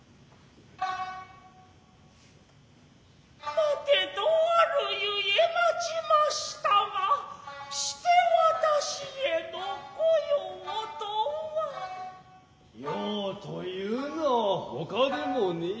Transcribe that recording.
待てとある故待ちましたがして私への御用とは。用というのは外でもねえ。